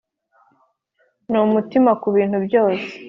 numutima kubintu byose;